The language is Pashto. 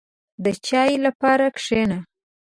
• د چای لپاره کښېنه.